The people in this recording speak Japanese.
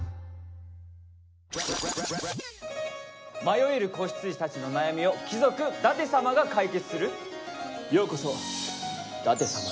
迷える子羊たちの悩みを貴族舘様が解決する。